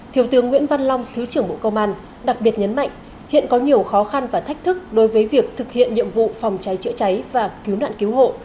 thiếu tướng nguyễn văn long thứ trưởng bộ công an đặc biệt nhấn mạnh hiện có nhiều khó khăn và thách thức đối với việc thực hiện nhiệm vụ phòng cháy chữa cháy và cứu nạn cứu hộ